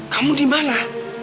kamu di mana